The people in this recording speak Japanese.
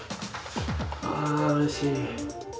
あー、うれしい。